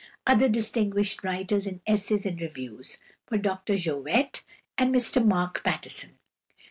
Other distinguished writers in "Essays and Reviews" were Dr Jowett and Mr Mark Pattison.